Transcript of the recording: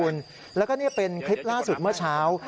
คุณแล้วก็นี่เป็นคลิปล่าสุดเมื่อเช้า